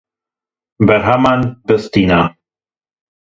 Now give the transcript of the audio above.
Berheman bistîne.